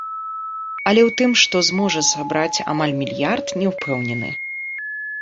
Але ў тым, што зможа сабраць амаль мільярд, не ўпэўнены.